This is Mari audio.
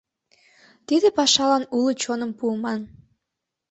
Тиде пашалан уло чоным пуыман.